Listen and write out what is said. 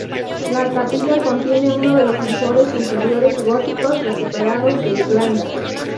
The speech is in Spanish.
La capilla contiene uno de los mejores interiores góticos recuperados de Irlanda.